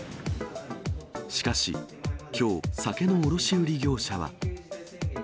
しかし、きょう、酒の卸売業者は。